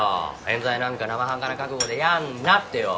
えん罪なんかなまはんかな覚悟でやんなってよ。